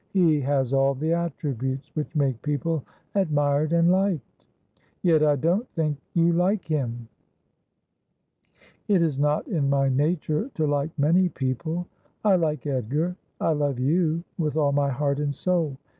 He has all the attributes which make people admired and liked.' ' Yet I don't think you like him.' ' It is not in my nature to like many people. I like Edgar. I love you, with all my heart and soul.